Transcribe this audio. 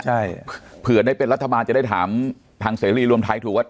ใช่เผื่อได้เป็นรัฐบาลจะได้ถามทางเสรีรวมไทยถูกว่า